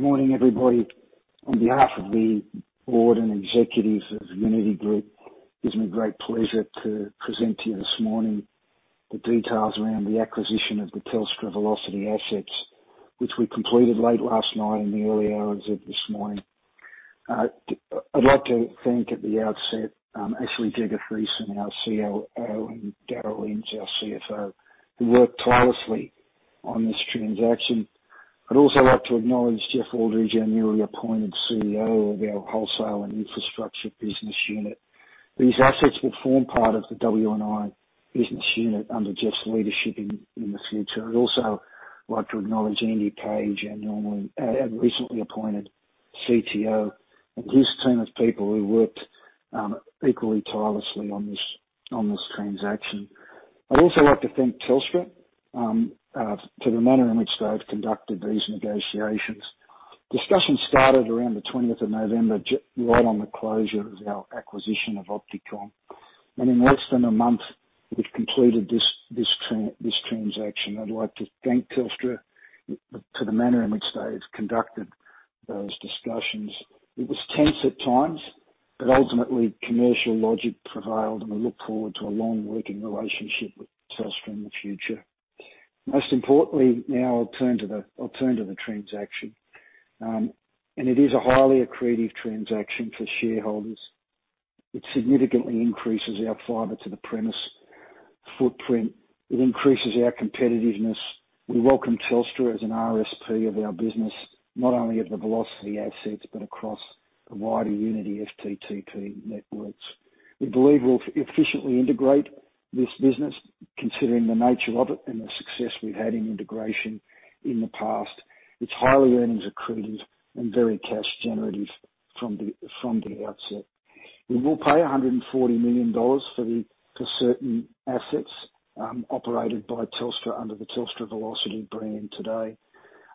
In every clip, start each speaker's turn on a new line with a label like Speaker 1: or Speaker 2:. Speaker 1: Good morning, everybody. On behalf of the board and executives of Uniti Group, it gives me great pleasure to present to you this morning the details around the acquisition of the Telstra Velocity assets, which we completed late last night in the early hours of this morning. I'd like to thank at the outset Ashe-lee Jegathesan, our COO, and Darryl Inns, our CFO, who worked tirelessly on this transaction. I'd also like to acknowledge Geoff Aldridge, our newly appointed CEO of our wholesale and infrastructure business unit. These assets will form part of the W&I business unit under Geoff's leadership in the future. I'd also like to acknowledge Andy Page, our newly appointed CTO, and his team of people who worked equally tirelessly on this transaction. I'd also like to thank Telstra for the manner in which they've conducted these negotiations. Discussions started around November 20, right on the closure of our acquisition of OptiComm. In less than a month, we've completed this transaction. I'd like to thank Telstra for the manner in which they've conducted those discussions. It was tense at times, but ultimately, commercial logic prevailed, and we look forward to a long-working relationship with Telstra in the future. Most importantly, now I'll turn to the transaction. It is a highly accretive transaction for shareholders. It significantly increases our fiber-to-the-premises footprint. It increases our competitiveness. We welcome Telstra as an RSP of our business, not only of the Velocity assets but across the wider Uniti FTTP networks. We believe we'll efficiently integrate this business, considering the nature of it and the success we've had in integration in the past. It's highly earnings-accretive and very cash-generative from the outset. We will pay $140 million for certain assets operated by Telstra under the Telstra Velocity brand today.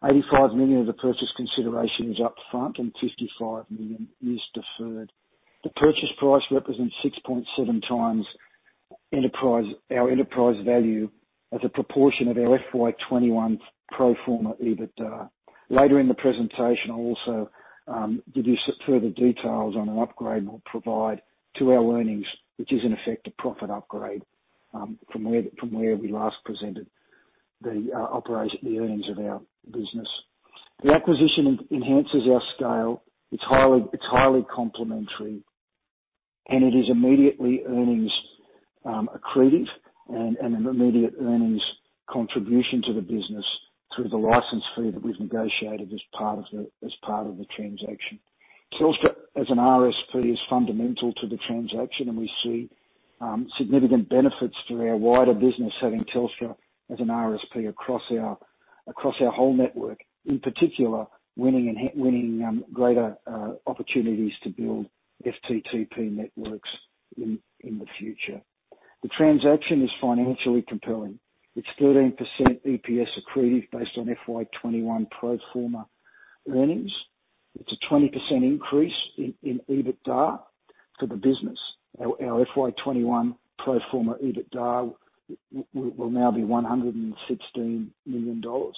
Speaker 1: $85 million of the purchase consideration is upfront, and $55 million is deferred. The purchase price represents 6.7x our enterprise value as a proportion of our FY21 pro forma EBITDA. Later in the presentation, I'll also give you further details on an upgrade we'll provide to our earnings, which is, in effect, a profit upgrade from where we last presented the earnings of our business. The acquisition enhances our scale. It's highly complementary, and it is immediately earnings-accretive and an immediate earnings contribution to the business through the license fee that we've negotiated as part of the transaction. Telstra, as an RSP, is fundamental to the transaction, and we see significant benefits to our wider business having Telstra as an RSP across our whole network, in particular, winning greater opportunities to build FTTP networks in the future. The transaction is financially compelling. It's 13% EPS accretive based on FY21 pro forma earnings. It's a 20% increase in EBITDA for the business. Our FY21 pro forma EBITDA will now be 116 million dollars.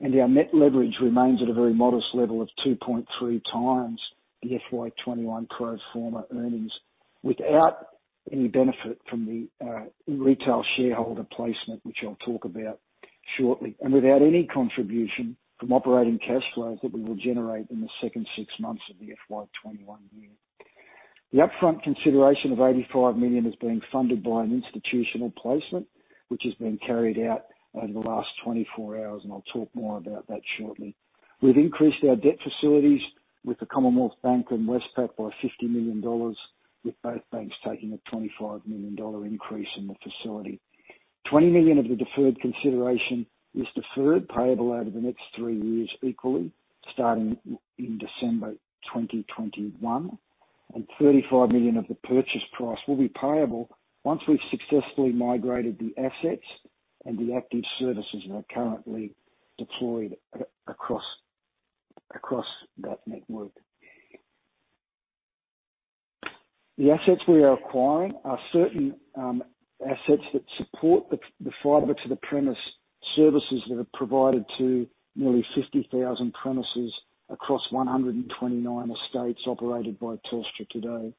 Speaker 1: Our net leverage remains at a very modest level of 2.3 times the FY21 pro forma earnings, without any benefit from the retail shareholder placement, which I'll talk about shortly, and without any contribution from operating cash flows that we will generate in the second six months of the FY21 year. The upfront consideration of 85 million is being funded by an institutional placement, which has been carried out over the last 24 hours, and I'll talk more about that shortly. We've increased our debt facilities with the Commonwealth Bank and Westpac by 50 million dollars, with both banks taking a 25 million dollar increase in the facility. 20 million of the deferred consideration is deferred, payable over the next 3 years equally, starting in December 2021. 35 million of the purchase price will be payable once we've successfully migrated the assets and the active services that are currently deployed across that network. The assets we are acquiring are certain assets that support the fiber-to-the-premises services that are provided to nearly 50,000 premises across 129 estates operated by Telstra today.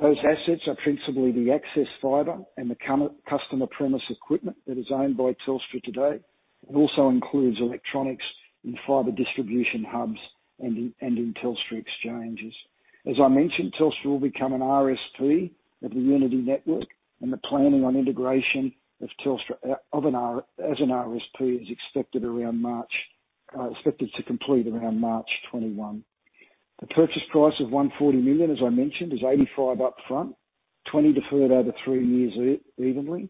Speaker 1: Those assets are principally the access fiber and the customer premises equipment that is owned by Telstra today, and also includes electronics in fiber distribution hubs and in Telstra exchanges. As I mentioned, Telstra will become an RSP of the Uniti network, and the planning on integration as an RSP is expected to complete around March 2021. The purchase price of 140 million, as I mentioned, is 85 million upfront, 20 million deferred over three years evenly,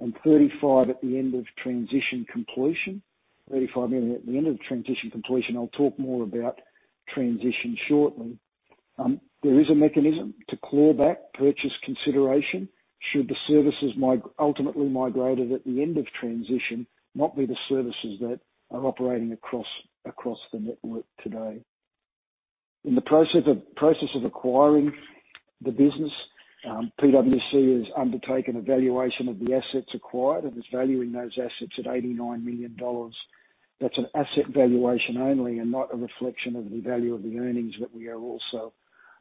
Speaker 1: and 35 million at the end of transition completion, 35 million at the end of transition completion. I'll talk more about transition shortly. There is a mechanism to claw back purchase consideration should the services ultimately migrated at the end of transition not be the services that are operating across the network today. In the process of acquiring the business, PwC has undertaken a valuation of the assets acquired and is valuing those assets at 89 million dollars. That's an asset valuation only and not a reflection of the value of the earnings that we are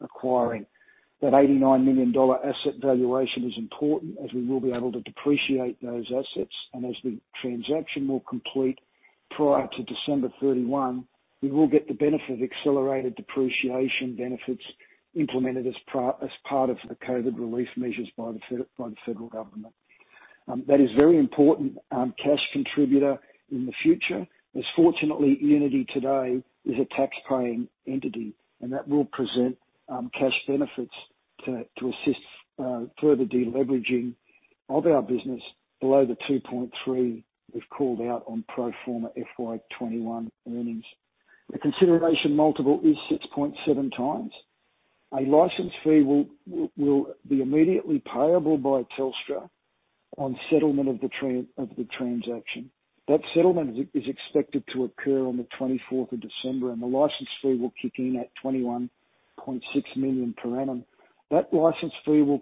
Speaker 1: also acquiring. That 89 million dollar asset valuation is important as we will be able to depreciate those assets, and as the transaction will complete prior to December 31, 2021, we will get the benefit of accelerated depreciation benefits implemented as part of the COVID relief measures by the federal government. That is very important cash contributor in the future. As fortunately, Uniti today is a taxpaying entity, and that will present cash benefits to assist further deleveraging of our business below the 2.3 we've called out on pro forma FY21 earnings. The consideration multiple is 6.7x. A license fee will be immediately payable by Telstra on settlement of the transaction. That settlement is expected to occur on the December 24, and the license fee will kick in at 21.6 million per annum. That license fee will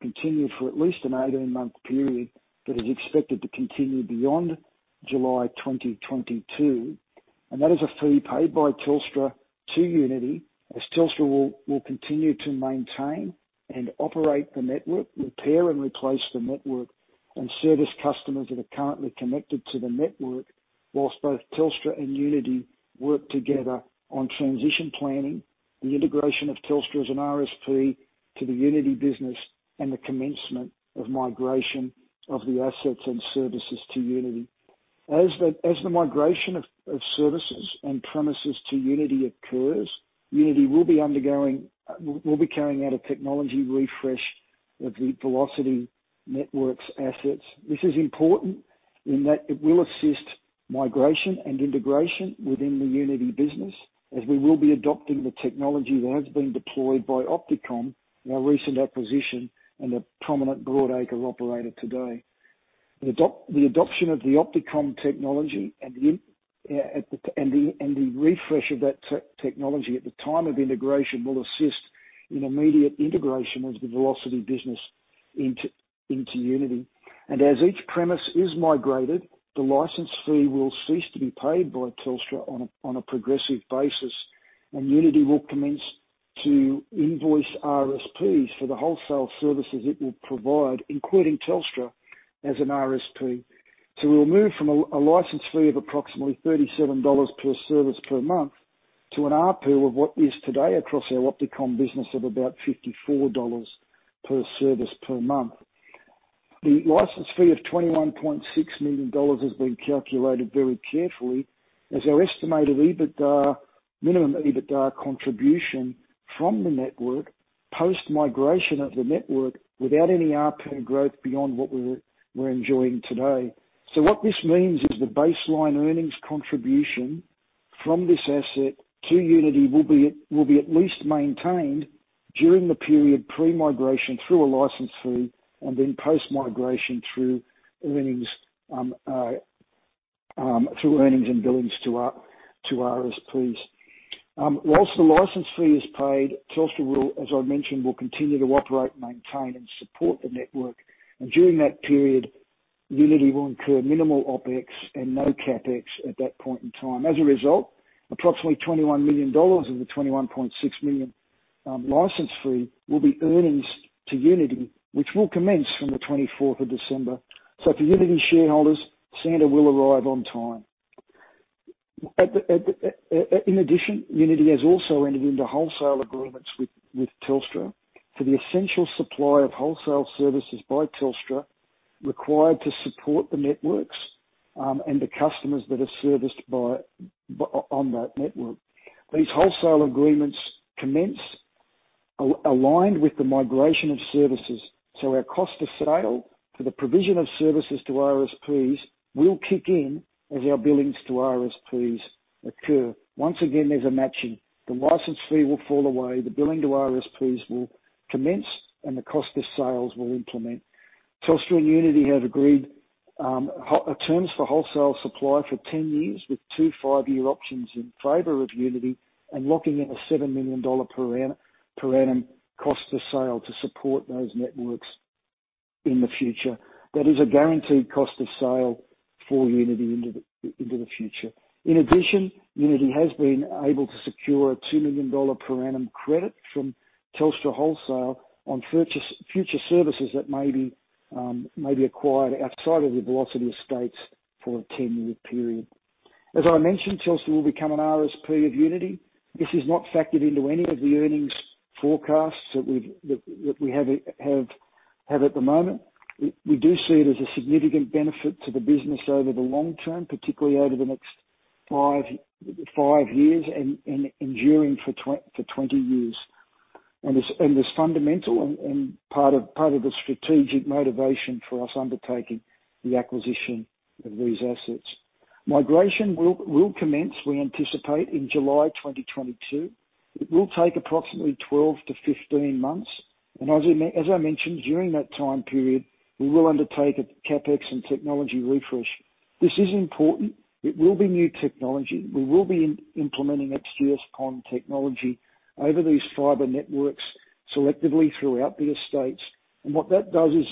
Speaker 1: continue for at least an 18-month period but is expected to continue beyond July 2022. That is a fee paid by Telstra to Uniti, as Telstra will continue to maintain and operate the network, repair and replace the network, and service customers that are currently connected to the network, while both Telstra and Uniti work together on transition planning, the integration of Telstra as an RSP to the Uniti business, and the commencement of migration of the assets and services to Uniti. As the migration of services and premises to Uniti occurs, Uniti will be carrying out a technology refresh of the Velocity network's assets. This is important in that it will assist migration and integration within the Uniti business, as we will be adopting the technology that has been deployed by OptiComm, our recent acquisition, and a prominent broadacre operator today. The adoption of the OptiComm technology and the refresh of that technology at the time of integration will assist in immediate integration of the Velocity business into Uniti. And as each premise is migrated, the license fee will cease to be paid by Telstra on a progressive basis, and Uniti will commence to invoice RSPs for the wholesale services it will provide, including Telstra as an RSP. So we will move from a license fee of approximately 37 dollars per service per month to an ARPU of what is today across our OptiComm business of about 54 dollars per service per month. The license fee of 21.6 million dollars has been calculated very carefully, as our estimated minimum EBITDA contribution from the network post-migration of the network without any ARPU growth beyond what we're enjoying today. So what this means is the baseline earnings contribution from this asset to Uniti will be at least maintained during the period pre-migration through a license fee and then post-migration through earnings and billings to RSPs. While the license fee is paid, Telstra will, as I mentioned, continue to operate, maintain, and support the network. And during that period, Uniti will incur minimal Opex and no Capex at that point in time. As a result, approximately 21 million dollars of the 21.6 million license fee will be earnings to Uniti, which will commence from December 24. So for Uniti shareholders, Santa will arrive on time. In addition, Uniti has also entered into wholesale agreements with Telstra for the essential supply of wholesale services by Telstra required to support the networks and the customers that are serviced on that network. These wholesale agreements commence aligned with the migration of services. So our cost of sale for the provision of services to RSPs will kick in as our billings to RSPs occur. Once again, there's a matching. The license fee will fall away. The billing to RSPs will commence, and the cost of sales will implement. Telstra and Uniti have agreed terms for wholesale supply for 10 years with two five-year options in favor of Uniti and locking in a 7 million dollar per annum cost of sale to support those networks in the future. That is a guaranteed cost of sale for Uniti into the future. In addition, Uniti has been able to secure a $2 million per annum credit from Telstra Wholesale on future services that may be acquired outside of the Velocity estates for a 10-year period. As I mentioned, Telstra will become an RSP of Uniti. This is not factored into any of the earnings forecasts that we have at the moment. We do see it as a significant benefit to the business over the long term, particularly over the next five years and enduring for 20 years. And it's fundamental and part of the strategic motivation for us undertaking the acquisition of these assets. Migration will commence, we anticipate, in July 2022. It will take approximately 12-15 months. And as I mentioned, during that time period, we will undertake a CapEx and technology refresh. This is important. It will be new technology. We will be implementing XGS-PON technology over these fiber networks selectively throughout the estates. What that does is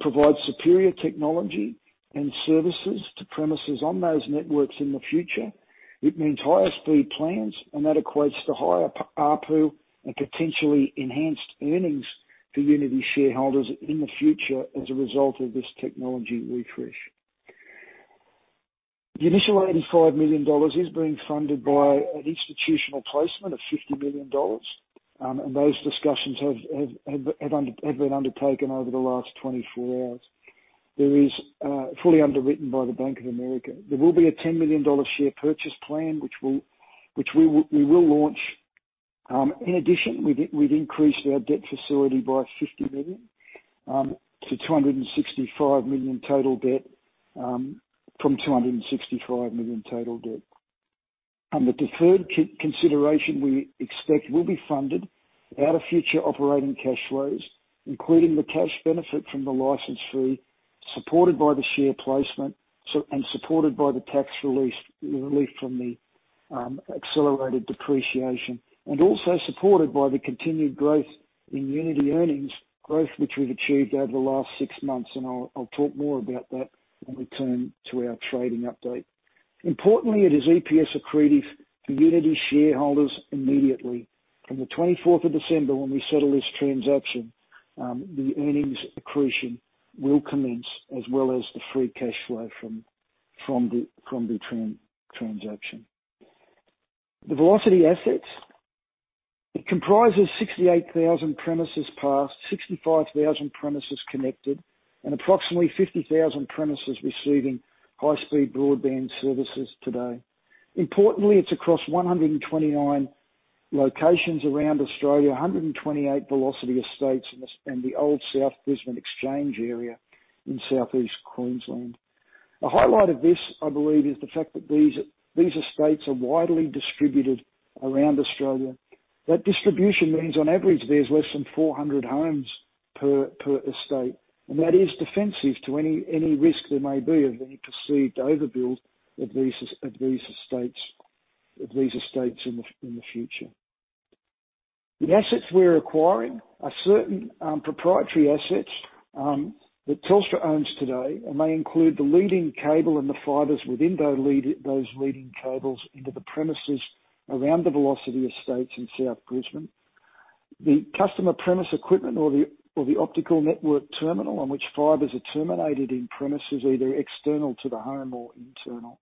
Speaker 1: provide superior technology and services to premises on those networks in the future. It means higher speed plans, and that equates to higher ARPU and potentially enhanced earnings for Uniti shareholders in the future as a result of this technology refresh. The initial 85 million dollars is being funded by an institutional placement of 50 million dollars, and those discussions have been undertaken over the last 24 hours. It is fully underwritten by the Bank of America. There will be a 10 million dollar share purchase plan, which we will launch. In addition, we've increased our debt facility by 50 million to 265 million total debt from 265 million total debt. The deferred consideration we expect will be funded out of future operating cash flows, including the cash benefit from the license fee supported by the share placement and supported by the tax relief from the accelerated depreciation, and also supported by the continued growth in Uniti earnings, growth which we've achieved over the last six months, and I'll talk more about that when we turn to our trading update. Importantly, it is EPS accretive for Uniti shareholders immediately. From the of December 24, when we settle this transaction, the earnings accretion will commence as well as the free cash flow from the transaction. The Velocity assets, it comprises 68,000 premises passed, 65,000 premises connected, and approximately 50,000 premises receiving high-speed broadband services today. Importantly, it's across 129 locations around Australia, 128 Velocity estates, and the old South Brisbane Exchange area in South East Queensland. A highlight of this, I believe, is the fact that these estates are widely distributed around Australia. That distribution means, on average, there's less than 400 homes per estate, and that is defensive to any risk there may be of any perceived overbuild of these estates in the future. The assets we're acquiring are certain proprietary assets that Telstra owns today, and they include the leading cable and the fibers within those leading cables into the premises around the Velocity estates in South Brisbane, the customer premises equipment or the optical network terminal on which fibers are terminated in premises, either external to the home or internal,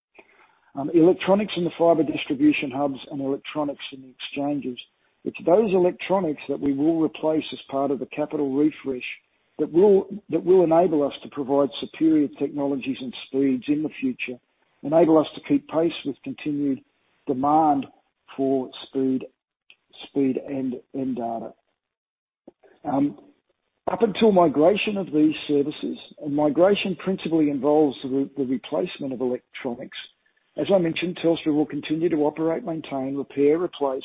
Speaker 1: electronics in the fiber distribution hubs, and electronics in the exchanges. It's those electronics that we will replace as part of the capital refresh that will enable us to provide superior technologies and speeds in the future, enable us to keep pace with continued demand for speed and data. Up until migration of these services, and migration principally involves the replacement of electronics. As I mentioned, Telstra will continue to operate, maintain, repair, replace,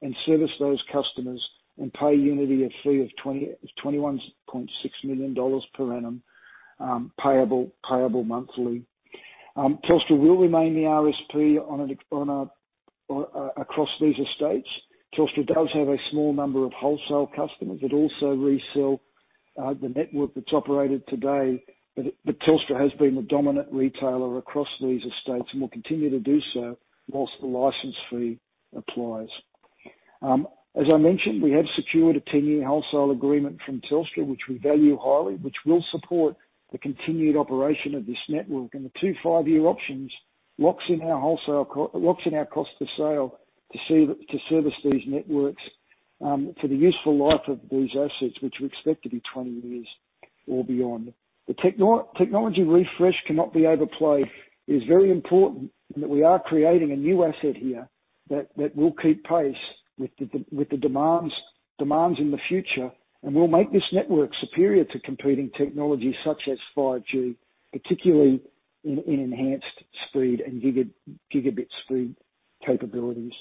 Speaker 1: and service those customers and pay Uniti a fee of 21.6 million dollars per annum payable monthly. Telstra will remain the RSP across these estates. Telstra does have a small number of wholesale customers that also resell the network that's operated today, but Telstra has been the dominant retailer across these estates and will continue to do so while the license fee applies. As I mentioned, we have secured a 10-year wholesale agreement from Telstra, which we value highly, which will support the continued operation of this network. The two 5-year options locks in our wholesale cost of sale to service these networks for the useful life of these assets, which we expect to be 20 years or beyond. The technology refresh cannot be overplayed. It is very important that we are creating a new asset here that will keep pace with the demands in the future and will make this network superior to competing technologies such as 5G, particularly in enhanced speed and gigabit speed capabilities.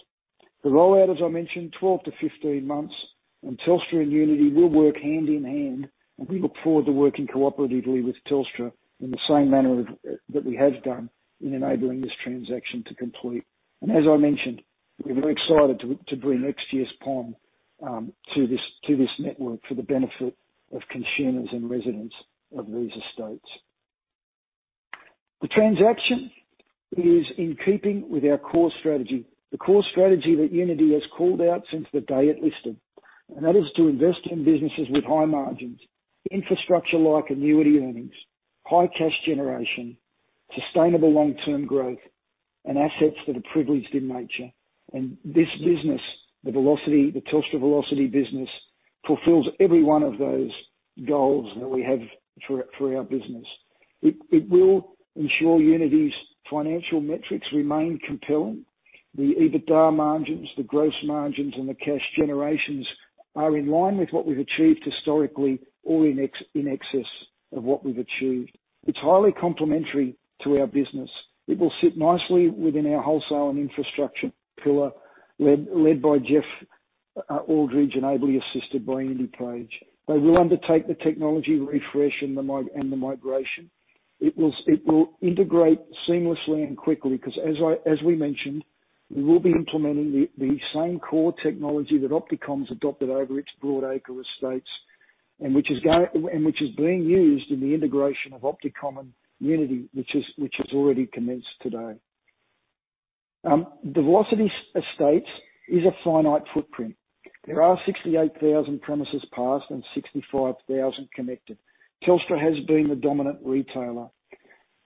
Speaker 1: The rollout, as I mentioned, 12-15 months, and Telstra and Uniti will work hand in hand, and we look forward to working cooperatively with Telstra in the same manner that we have done in enabling this transaction to complete. And as I mentioned, we're very excited to bring XGS-PON to this network for the benefit of consumers and residents of these estates. The transaction is in keeping with our core strategy, the core strategy that Uniti has called out since the day it listed, and that is to invest in businesses with high margins, infrastructure like annuity earnings, high cash generation, sustainable long-term growth, and assets that are privileged in nature. And this business, the Telstra Velocity business, fulfills every one of those goals that we have for our business. It will ensure Uniti's financial metrics remain compelling. The EBITDA margins, the gross margins, and the cash generations are in line with what we've achieved historically or in excess of what we've achieved. It's highly complementary to our business. It will sit nicely within our wholesale and infrastructure pillar led by Geoff Aldridge and ably assisted by Andy Page. They will undertake the technology refresh and the migration. It will integrate seamlessly and quickly because, as we mentioned, we will be implementing the same core technology that OptiComm's adopted over its broadacre estates and which is being used in the integration of OptiComm and Uniti, which has already commenced today. The Velocity estates is a finite footprint. There are 68,000 premises passed and 65,000 connected. Telstra has been the dominant retailer.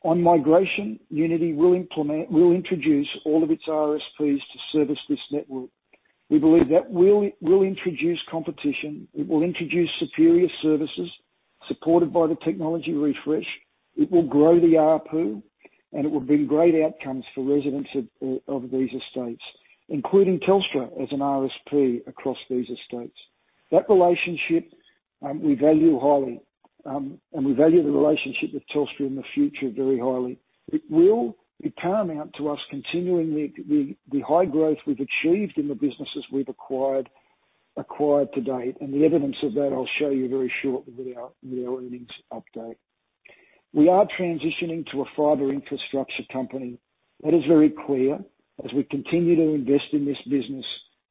Speaker 1: On migration, Uniti will introduce all of its RSPs to service this network. We believe that will introduce competition. It will introduce superior services supported by the technology refresh. It will grow the ARPU, and it will bring great outcomes for residents of these estates, including Telstra as an RSP across these estates. That relationship, we value highly, and we value the relationship with Telstra in the future very highly. It will be paramount to us continuing the high growth we've achieved in the businesses we've acquired to date, and the evidence of that I'll show you very shortly with our earnings update. We are transitioning to a fiber infrastructure company. That is very clear as we continue to invest in this business,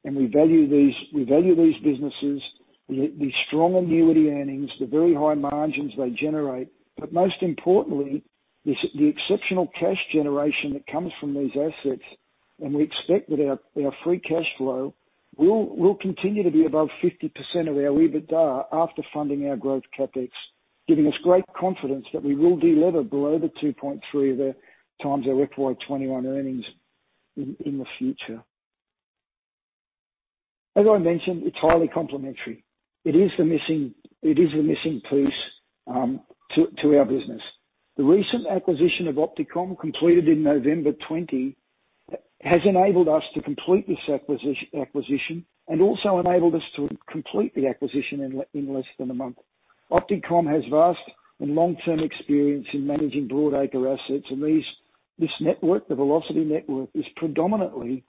Speaker 1: and we value these businesses, the strong annuity earnings, the very high margins they generate, but most importantly, the exceptional cash generation that comes from these assets, and we expect that our free cash flow will continue to be above 50% of our EBITDA after funding our growth CapEx, giving us great confidence that we will deliver below the 2.3x our FY21 earnings in the future. As I mentioned, it's highly complementary. It is the missing piece to our business. The recent acquisition of OptiComm, completed in November 2020, has enabled us to complete this acquisition and also enabled us to complete the acquisition in less than a month. OptiComm has vast and long-term experience in managing Broadacre assets, and this network, the Velocity network, is predominantly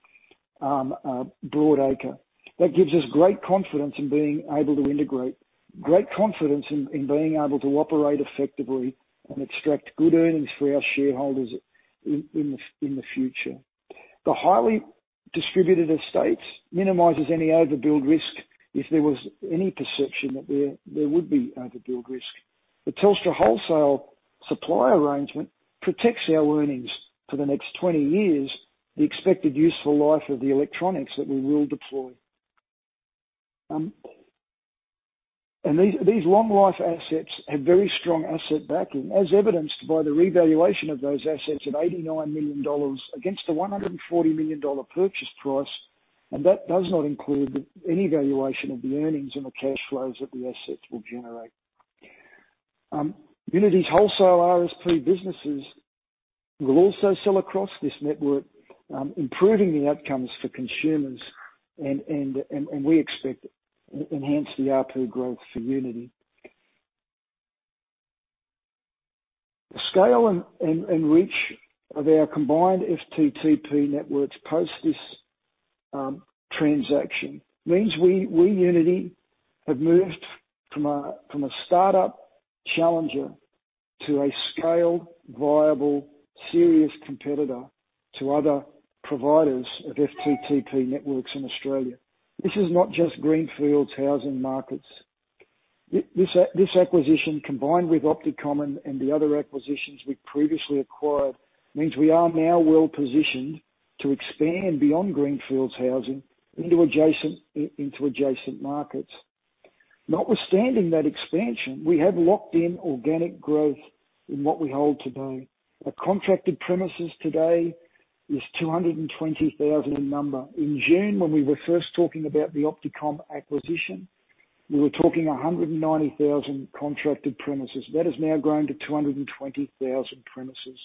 Speaker 1: Broadacre. That gives us great confidence in being able to integrate, great confidence in being able to operate effectively and extract good earnings for our shareholders in the future. The highly distributed estates minimizes any overbuild risk if there was any perception that there would be overbuild risk. The Telstra Wholesale supply arrangement protects our earnings for the next 20 years, the expected useful life of the electronics that we will deploy. These long-life assets have very strong asset backing, as evidenced by the revaluation of those assets of 89 million dollars against the 140 million dollar purchase price, and that does not include any valuation of the earnings and the cash flows that the assets will generate. Uniti's wholesale RSP businesses will also sell across this network, improving the outcomes for consumers, and we expect enhanced ARPU growth for Uniti. The scale and reach of our combined FTTP networks post this transaction means we, Uniti, have moved from a startup challenger to a scaled, viable, serious competitor to other providers of FTTP networks in Australia. This is not just greenfield housing markets. This acquisition, combined with OptiComm and the other acquisitions we previously acquired, means we are now well positioned to expand beyond greenfield housing into adjacent markets. Notwithstanding that expansion, we have locked in organic growth in what we hold today. Our contracted premises today is 220,000 in number. In June, when we were first talking about the OptiComm acquisition, we were talking 190,000 contracted premises. That is now grown to 220,000 premises.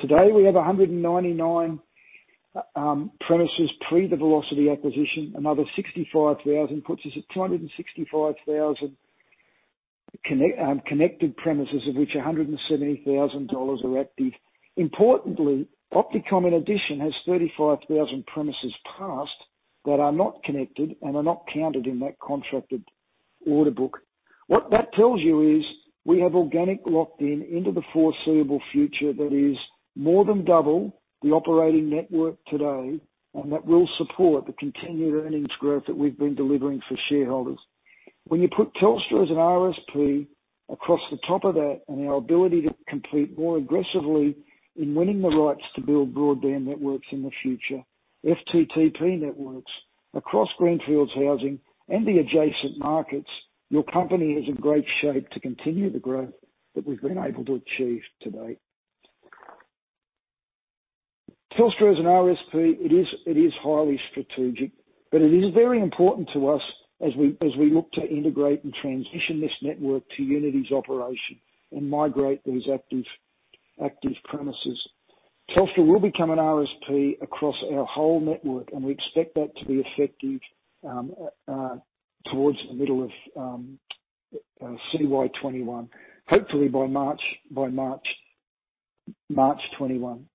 Speaker 1: Today, we have 199,000 premises pre the Velocity acquisition. Another 65,000 puts us at 265,000 connected premises, of which 170,000 are active. Importantly, OptiComm, in addition, has 35,000 premises passed that are not connected and are not counted in that contracted order book. What that tells you is we have organic locked in into the foreseeable future that is more than double the operating network today and that will support the continued earnings growth that we've been delivering for shareholders. When you put Telstra as an RSP across the top of that and our ability to compete more aggressively in winning the rights to build broadband networks in the future, FTTP networks across greenfield housing and the adjacent markets, your company is in great shape to continue the growth that we've been able to achieve today. Telstra as an RSP, it is highly strategic, but it is very important to us as we look to integrate and transition this network to Uniti's operation and migrate those active premises. Telstra will become an RSP across our whole network, and we expect that to be effective towards the middle of CY21, hopefully by March 2021.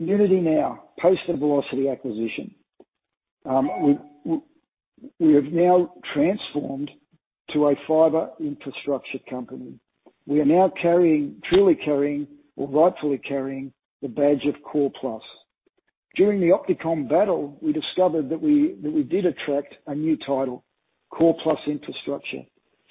Speaker 1: Uniti now, post the Velocity acquisition, we have now transformed to a fiber infrastructure company. We are now truly carrying or rightfully carrying the badge of Core+. During the OptiComm battle, we discovered that we did attract a new title, Core Plus Infrastructure.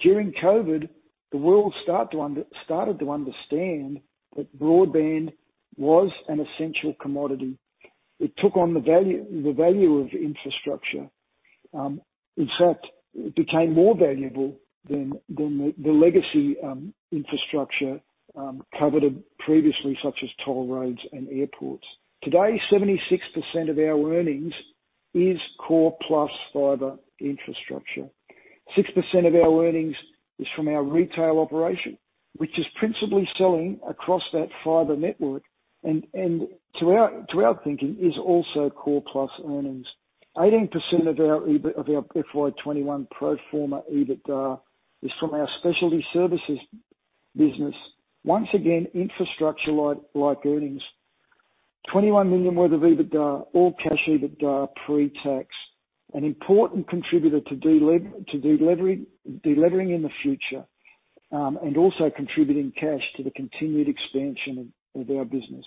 Speaker 1: During COVID, the world started to understand that broadband was an essential commodity. It took on the value of infrastructure. In fact, it became more valuable than the legacy infrastructure covered previously, such as toll roads and airports. Today, 76% of our earnings is Core Plus fiber infrastructure. 6% of our earnings is from our retail operation, which is principally selling across that fiber network, and to our thinking, is also Core Plus earnings. 18% of our FY21 pro forma EBITDA is from our specialty services business. Once again, infrastructure-like earnings, 21 million worth of EBITDA, all cash EBITDA pre-tax, an important contributor to delivering in the future and also contributing cash to the continued expansion of our business.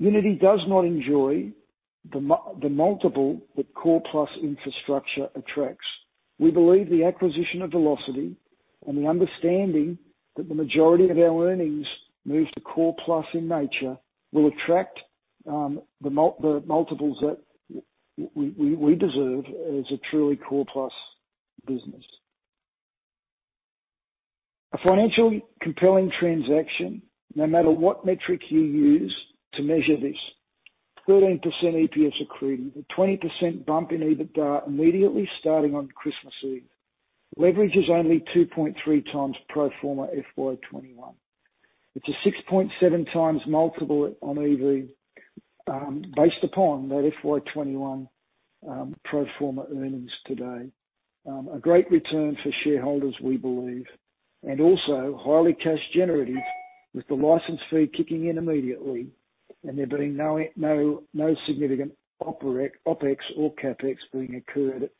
Speaker 1: Today, Uniti does not enjoy the multiple that Core Plus infrastructure attracts. We believe the acquisition of Velocity and the understanding that the majority of our earnings moved to Core+ in nature will attract the multiples that we deserve as a truly Core+ business. A financially compelling transaction, no matter what metric you use to measure this, 13% EPS accretive, a 20% bump in EBITDA immediately starting on Christmas Eve. Leverage is only 2.3x pro forma FY21. It's a 6.7x multiple on EV based upon that FY21 pro forma earnings today. A great return for shareholders, we believe, and also highly cash generative with the license fee kicking in immediately, and there being no significant Opex or Capex being incurred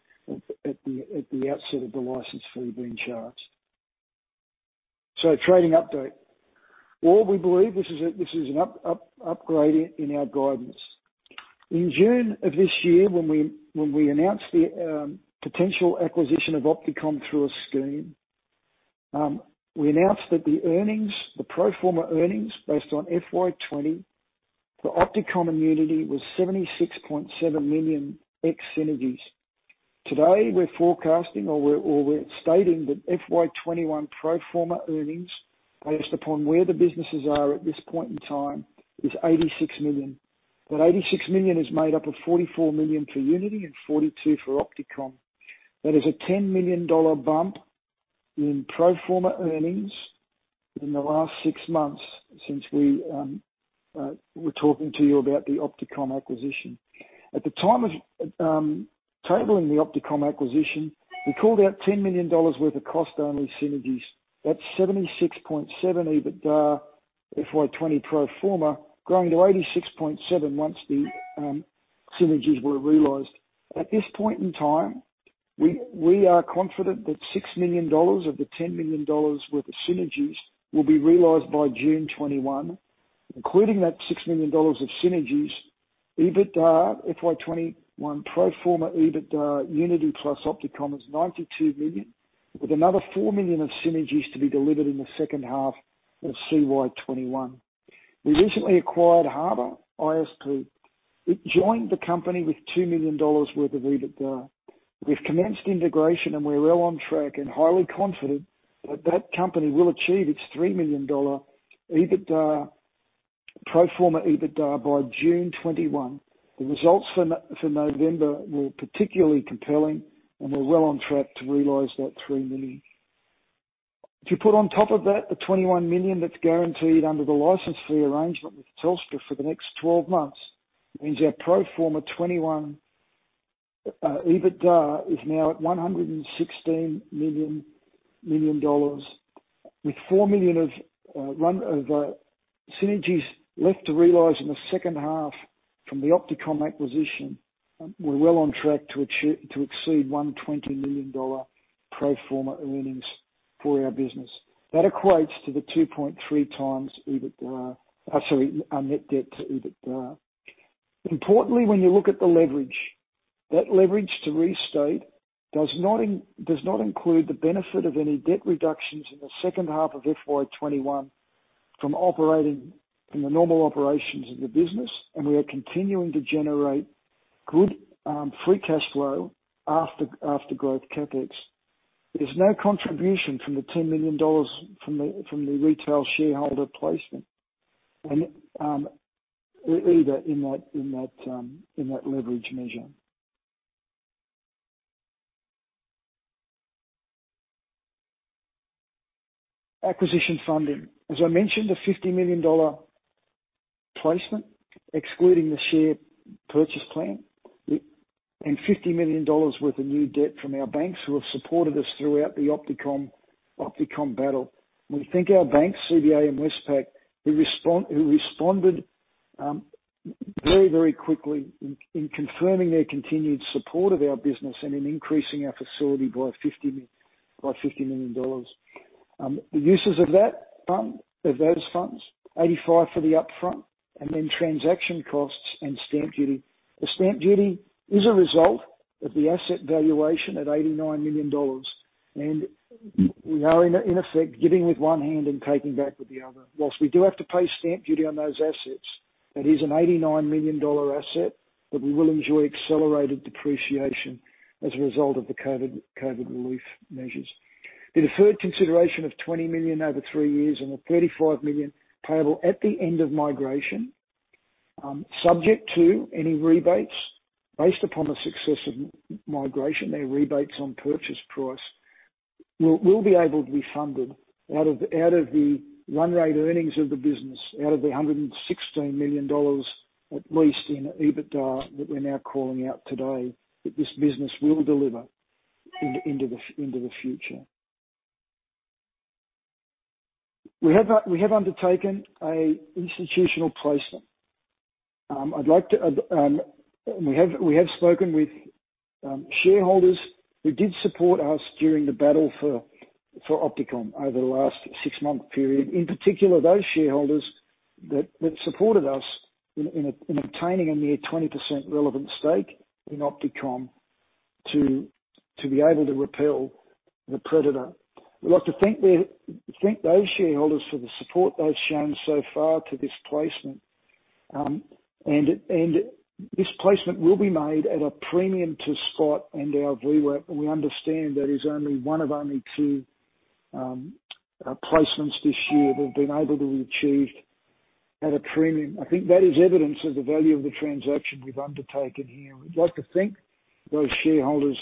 Speaker 1: at the outset of the license fee being charged. So, trading update. Well, we believe this is an upgrade in our guidance. In June of this year, when we announced the potential acquisition of OptiComm through a scheme, we announced that the pro forma earnings based on FY20 for OptiComm and Uniti was AUD 76.7 million ex-synergies. Today, we're forecasting or we're stating that FY21 pro forma earnings based upon where the businesses are at this point in time is 86 million. That 86 million is made up of 44 million for Uniti and 42 million for OptiComm. That is a 10 million dollar bump in pro forma earnings in the last six months since we were talking to you about the OptiComm acquisition. At the time of tabling the OptiComm acquisition, we called out 10 million dollars worth of cost-only synergies. That's 76.7 million EBITDA FY20 pro forma growing to 86.7 million once the synergies were realized. At this point in time, we are confident that 6 million dollars of the 10 million dollars worth of synergies will be realized by June 2021. Including that 6 million dollars of synergies, EBITDA FY21 pro forma EBITDA Uniti plus OptiComm is 92 million, with another 4 million of synergies to be delivered in the second half of CY 2021. We recently acquired Harbour ISP. It joined the company with 2 million dollars worth of EBITDA. We've commenced integration, and we're well on track and highly confident that that company will achieve its 3 million dollar pro forma EBITDA by June 2021. The results for November were particularly compelling, and we're well on track to realize that 3 million. If you put on top of that the 21 million that's guaranteed under the license fee arrangement with Telstra for the next 12 months, it means our pro forma 21 EBITDA is now at 116 million dollars. With 4 million of synergies left to realize in the second half from the OptiComm acquisition, we're well on track to exceed 120 million dollar pro forma earnings for our business. That equates to the 2.3 times net debt to EBITDA. Importantly, when you look at the leverage, that leverage to re-state does not include the benefit of any debt reductions in the second half of FY21 from the normal operations of the business, and we are continuing to generate good free cash flow after growth CapEx. There's no contribution from the 10 million dollars from the retail shareholder placement either in that leverage measure. Acquisition funding. As I mentioned, the 50 million dollar placement, excluding the share purchase plan, and 50 million dollars worth of new debt from our banks who have supported us throughout the OptiComm battle. We thank our banks, CBA and Westpac, who responded very, very quickly in confirming their continued support of our business and in increasing our facility by 50 million dollars. The uses of those funds, 85 for the upfront, and then transaction costs and stamp duty. The stamp duty is a result of the asset valuation at 89 million dollars, and we are, in effect, giving with one hand and taking back with the other. While we do have to pay stamp duty on those assets, that is an 89 million dollar asset that we will enjoy accelerated depreciation as a result of the COVID relief measures. The deferred consideration of 20 million over 3 years and the 35 million payable at the end of migration, subject to any rebates based upon the success of migration, their rebates on purchase price, will be able to be funded out of the run rate earnings of the business, out of the 116 million dollars at least in EBITDA that we're now calling out today that this business will deliver into the future. We have undertaken an institutional placement. We have spoken with shareholders who did support us during the battle for OptiComm over the last 6-month period. In particular, those shareholders that supported us in obtaining a near 20% relevant stake in OptiComm to be able to repel the predator. We'd like to thank those shareholders for the support they've shown so far to this placement. This placement will be made at a premium to spot and our VWAP. We understand that this is only one of only two placements this year that have been able to be achieved at a premium. I think that is evidence of the value of the transaction we've undertaken here. We'd like to thank those shareholders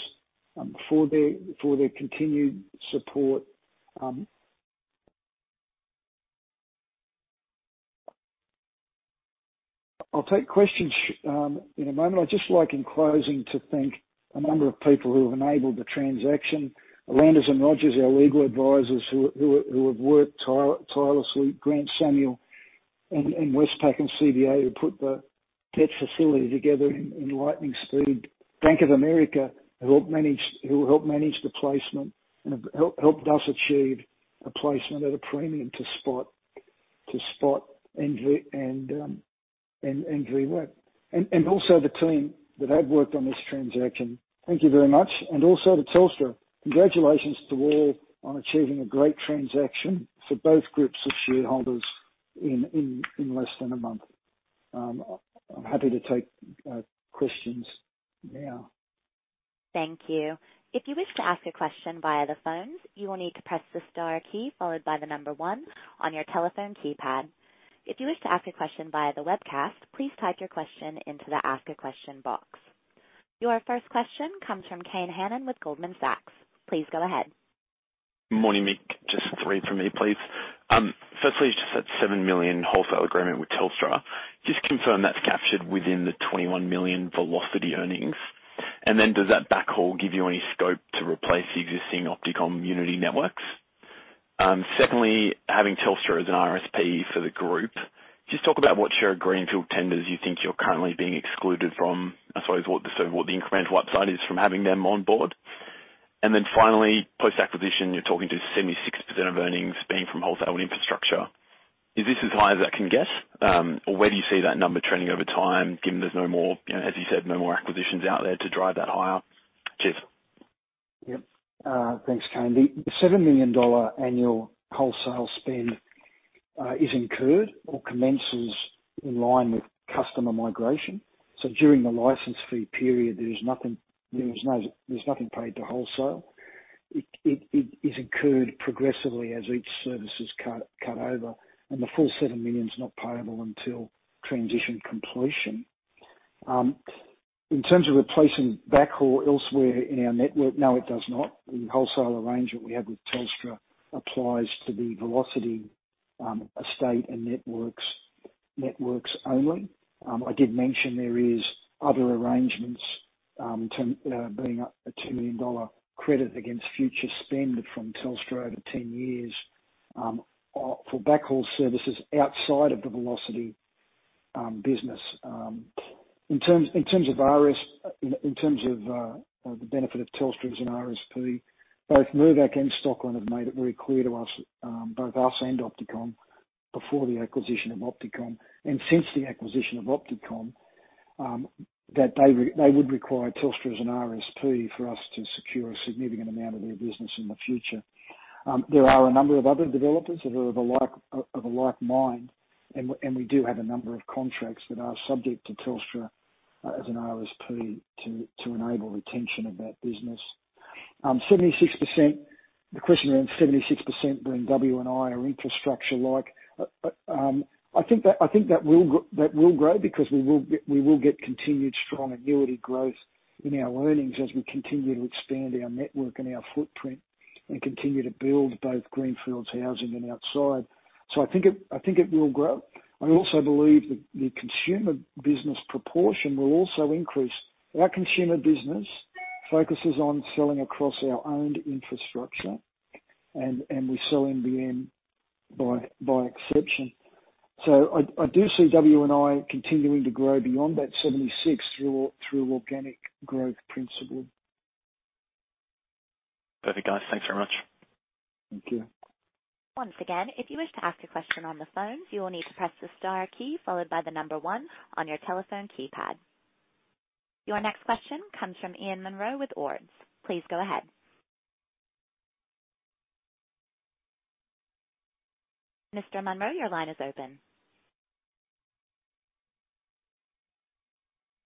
Speaker 1: for their continued support. I'll take questions in a moment. I'd just like, in closing, to thank a number of people who have enabled the transaction: Lander & Rogers, our legal advisors who have worked tirelessly; Grant Samuel and Westpac and CBA who put the debt facility together in lightning speed; Bank of America who helped manage the placement and helped us achieve a placement at a premium to spot and VWAP; and also the team that have worked on this transaction. Thank you very much. Also to Telstra. Congratulations to all on achieving a great transaction for both groups of shareholders in less than a month. I'm happy to take questions now.
Speaker 2: Thank you. If you wish to ask a question via the phone, you will need to press the star key followed by the number one on your telephone keypad. If you wish to ask a question via the webcast, please type your question into the ask a question box. Your first question comes from Kane Hannan with Goldman Sachs. Please go ahead.
Speaker 3: Morning, Mick. Just 3 from me, please. Firstly, you just said 7 million wholesale agreement with Telstra. Just confirm that's captured within the 21 million Velocity earnings. And then does that backhaul give you any scope to replace existing OptiComm Uniti networks? Secondly, having Telstra as an RSP for the group, just talk about what share of greenfield tenders you think you're currently being excluded from. I suppose what the incremental upside is from having them on board. And then finally, post-acquisition, you're talking to 76% of earnings being from wholesale infrastructure. Is this as high as that can get? Or where do you see that number trending over time given there's no more, as you said, no more acquisitions out there to drive that higher? Cheers.
Speaker 1: Yep. Thanks, Kane. The $7 million annual wholesale spend is incurred or commences in line with customer migration. So during the license fee period, there is nothing paid to wholesale. It is incurred progressively as each service is cut over, and the full $7 million is not payable until transition completion. In terms of replacing backhaul elsewhere in our network, no, it does not. The wholesale arrangement we have with Telstra applies to the Velocity estate and networks only. I did mention there are other arrangements being a $2 million credit against future spend from Telstra over 10 years for backhaul services outside of the Velocity business. In terms of the benefit of Telstra as an RSP, both Mirvac and Stockland have made it very clear to us, both us and OptiComm, before the acquisition of OptiComm and since the acquisition of OptiComm, that they would require Telstra as an RSP for us to secure a significant amount of their business in the future. There are a number of other developers that are of a like mind, and we do have a number of contracts that are subject to Telstra as an RSP to enable retention of that business. The question around 76% being W&I are infrastructure-like. I think that will grow because we will get continued strong annuity growth in our earnings as we continue to expand our network and our footprint and continue to build both greenfield, housing, and outside. So I think it will grow. I also believe the consumer business proportion will also increase. Our consumer business focuses on selling across our owned infrastructure, and we sell NBN by exception. So I do see W&I continuing to grow beyond that 76 through organic growth principle.
Speaker 3: Perfect, guys. Thanks very much.
Speaker 1: Thank you.
Speaker 2: Once again, if you wish to ask a question on the phone, you will need to press the star key followed by the number one on your telephone keypad. Your next question comes from Ian Munro with Ord Minnett. Please go ahead. Mr. Munro, your line is open.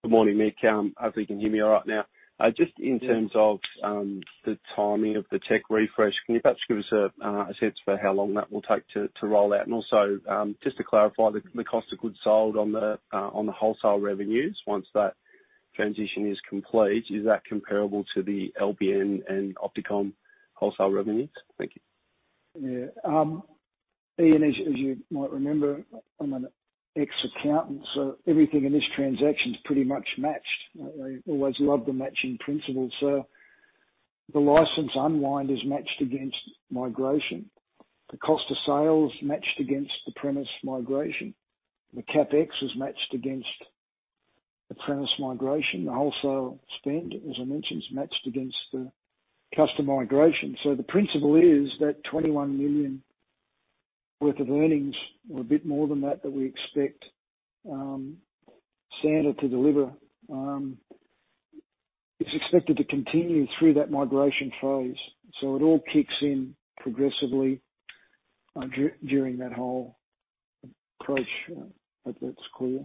Speaker 4: Good morning, Mick. I think you can hear me all right now. Just in terms of the timing of the tech refresh, can you perhaps give us a sense for how long that will take to roll out? And also, just to clarify, the cost of goods sold on the wholesale revenues once that transition is complete, is that comparable to the LBN and OptiComm wholesale revenues? Thank you.
Speaker 1: Yeah. Ian, as you might remember, I'm an ex-accountant, so everything in this transaction is pretty much matched. I always loved the matching principle. So the license unwind is matched against migration. The cost of sales matched against the premise migration. The Capex is matched against the premise migration. The wholesale spend, as I mentioned, is matched against the customer migration. So the principle is that $21 million worth of earnings or a bit more than that that we expect Santa to deliver is expected to continue through that migration phase. So it all kicks in progressively during that whole approach, but that's clear.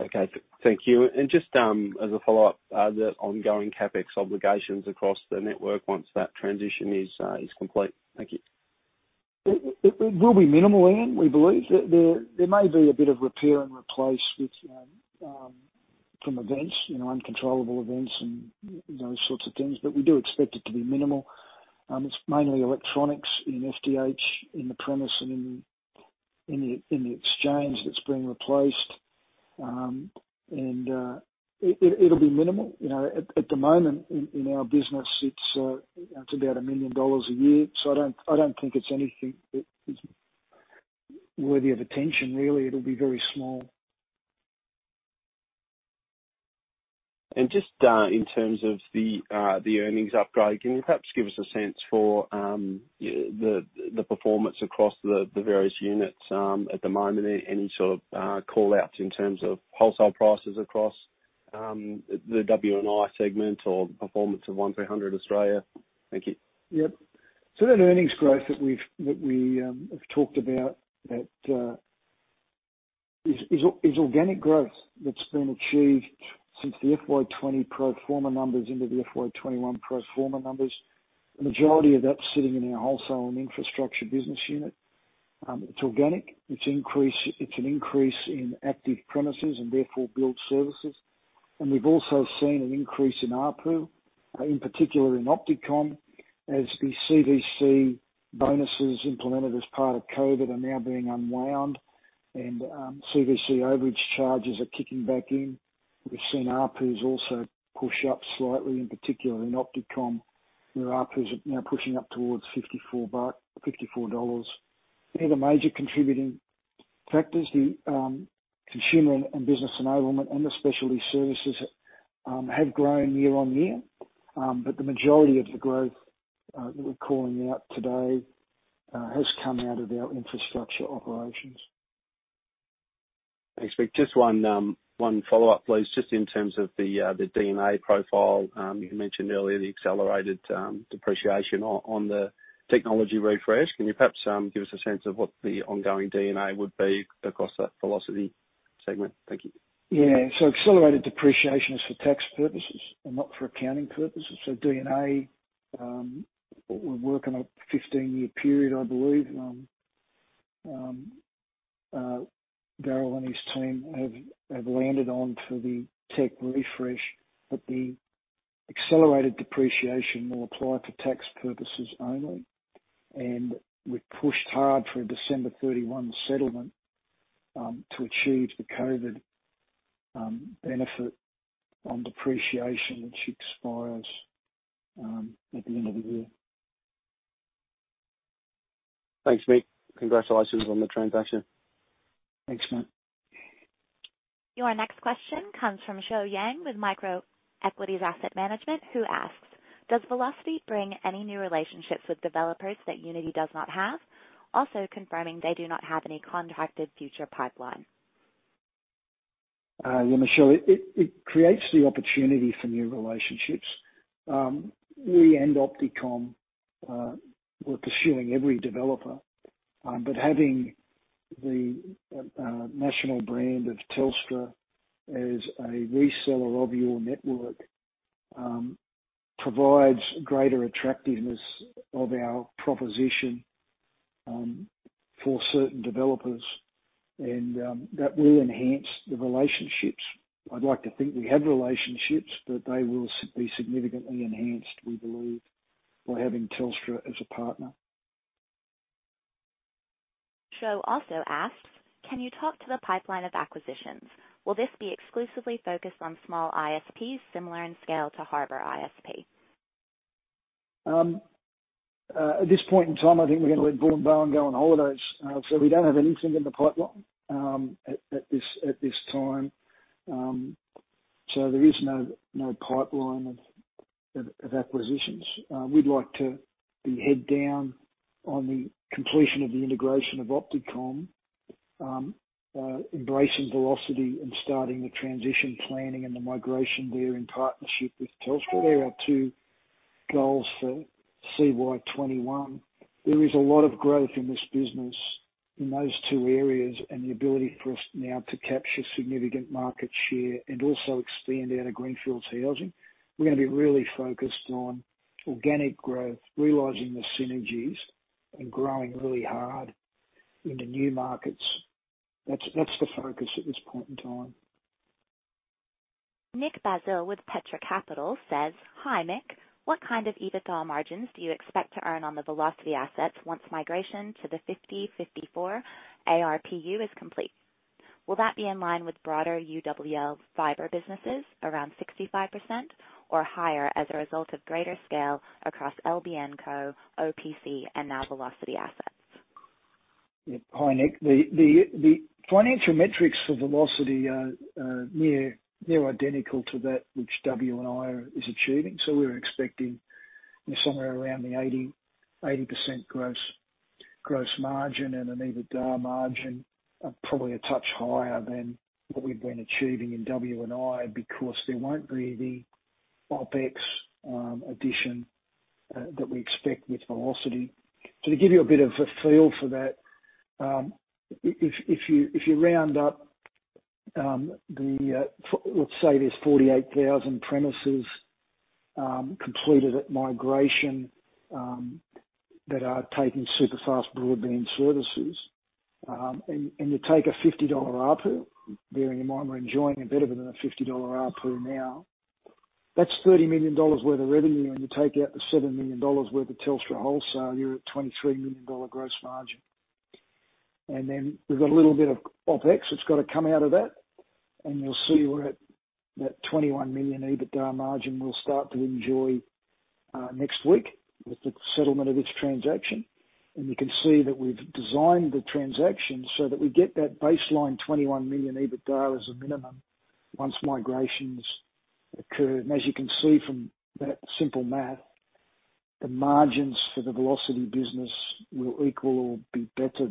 Speaker 4: Okay. Thank you. Just as a follow-up, the ongoing CapEx obligations across the network once that transition is complete? Thank you.
Speaker 1: It will be minimal, Ian. We believe. There may be a bit of repair and replace from events, uncontrollable events and those sorts of things, but we do expect it to be minimal. It's mainly electronics in FDH, in the premises, and in the exchange that's being replaced. And it'll be minimal. At the moment, in our business, it's about 1 million dollars a year. So I don't think it's anything that is worthy of attention, really. It'll be very small.
Speaker 4: Just in terms of the earnings upgrade, can you perhaps give us a sense for the performance across the various units at the moment? Any sort of callouts in terms of wholesale prices across the W&I segment or the performance of 1300 Australia? Thank you.
Speaker 1: Yep. So that earnings growth that we have talked about is organic growth that's been achieved since the FY20 pro forma numbers into the FY21 pro forma numbers. The majority of that's sitting in our wholesale and infrastructure business unit. It's organic. It's an increase in active premises and therefore build services. And we've also seen an increase in ARPU, in particular in OptiComm, as the CVC bonuses implemented as part of COVID are now being unwound and CVC overage charges are kicking back in. We've seen ARPUs also push up slightly, in particular in OptiComm, where ARPUs are now pushing up towards $54. They're the major contributing factors. The consumer and business enablement and the specialty services have grown year on year, but the majority of the growth that we're calling out today has come out of our infrastructure operations.
Speaker 4: Thanks, Mick. Just one follow-up, please. Just in terms of the D&A profile, you mentioned earlier the accelerated depreciation on the technology refresh. Can you perhaps give us a sense of what the ongoing D&A would be across that Velocity segment? Thank you.
Speaker 1: Yeah. So accelerated depreciation is for tax purposes and not for accounting purposes. So D&A, we're working a 15-year period, I believe. Darryl and his team have landed on for the tech refresh, but the accelerated depreciation will apply for tax purposes only. And we pushed hard for a December 31 settlement to achieve the COVID benefit on depreciation, which expires at the end of the year.
Speaker 4: Thanks, Mick. Congratulations on the transaction.
Speaker 1: Thanks, Mate.
Speaker 2: Your next question comes from Shuo Yang with Microequities Asset Management, who asks, "Does Velocity bring any new relationships with developers that Uniti does not have?" Also confirming they do not have any contracted future pipeline.
Speaker 1: Yeah, Shuo, it creates the opportunity for new relationships. We and OptiComm were pursuing every developer, but having the national brand of Telstra as a reseller of your network provides greater attractiveness of our proposition for certain developers, and that will enhance the relationships. I'd like to think we have relationships, but they will be significantly enhanced, we believe, by having Telstra as a partner.
Speaker 2: Shuo also asks, "Can you talk to the pipeline of acquisitions? Will this be exclusively focused on small ISPs similar in scale to Harbour ISP?
Speaker 1: At this point in time, I think we're going to let Board and Bowen go on holidays. So we don't have anything in the pipeline at this time. So there is no pipeline of acquisitions. We'd like to be head down on the completion of the integration of OptiComm, embracing Velocity and starting the transition planning and the migration there in partnership with Telstra. They're our two goals for CY21. There is a lot of growth in this business in those two areas and the ability for us now to capture significant market share and also expand out of greenfield housing. We're going to be really focused on organic growth, realizing the synergies, and growing really hard into new markets. That's the focus at this point in time.
Speaker 2: Nick Basile with Petra Capital says, "Hi, Mick. What kind of EBITDA margins do you expect to earn on the Velocity assets once migration to the 50/54 ARPU is complete? Will that be in line with broader UWL fiber businesses around 65% or higher as a result of greater scale across LBNCo, OptiComm, and now Velocity assets?
Speaker 1: Hi, Nick. The financial metrics for Velocity are near identical to that which W&I are achieving. So we're expecting somewhere around the 80% gross margin and an EBITDA margin, probably a touch higher than what we've been achieving in W&I because there won't be the OPEX addition that we expect with Velocity. So to give you a bit of a feel for that, if you round up, let's say there's 48,000 premises completed at migration that are taking super fast broadband services, and you take a 50 dollar ARPU, bearing in mind we're enjoying a bit of it in a 50 dollar ARPU now, that's 30 million dollars worth of revenue. And you take out the 7 million dollars worth of Telstra Wholesale, you're at a 23 million dollar gross margin. Then we've got a little bit of OpEx that's got to come out of that, and you'll see we're at that 21 million EBITDA margin. We'll start to enjoy next week with the settlement of this transaction. You can see that we've designed the transaction so that we get that baseline 21 million EBITDA as a minimum once migrations occur. As you can see from that simple math, the margins for the Velocity business will equal or be better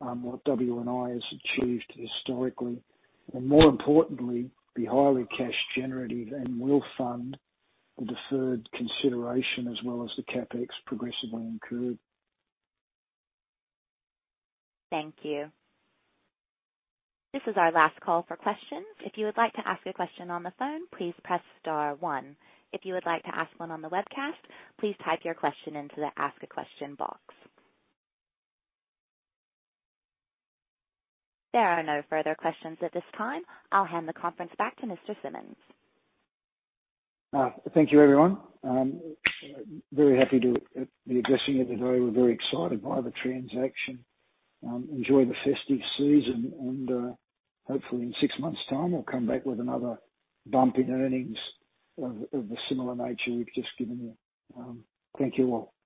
Speaker 1: than what W&I has achieved historically. More importantly, be highly cash-generative and will fund the deferred consideration as well as the CapEx progressively incurred.
Speaker 2: Thank you. This is our last call for questions. If you would like to ask a question on the phone, please press star one. If you would like to ask one on the webcast, please type your question into the ask a question box. There are no further questions at this time. I'll hand the conference back to Mr. Simmons.
Speaker 1: Thank you, everyone. Very happy to be addressing it today. We're very excited by the transaction. Enjoy the festive season, and hopefully in six months' time, we'll come back with another bump in earnings of the similar nature we've just given you. Thank you all.